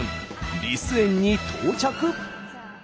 リス園に到着。